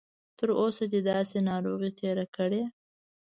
تر اوسه دې داسې ناروغي تېره کړې؟